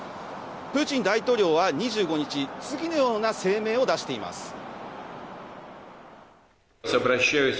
プーチン大統領は２５日、次のような声明を出しています。